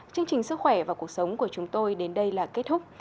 chương trình sức khỏe và cuộc sống của chúng tôi đến đây là kết thúc